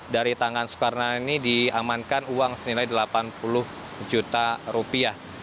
dari tangan soekarno ini diamankan uang senilai delapan puluh juta rupiah